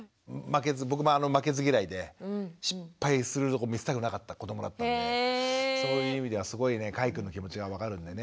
僕も負けず嫌いで失敗するとこ見せたくなかった子どもだったんでそういう意味ではすごいねかいくんの気持ちが分かるんでね。